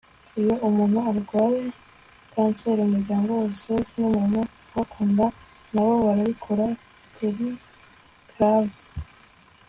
iyo umuntu arwaye kanseri, umuryango wose n'umuntu ubakunda na bo barabikora. - terri clark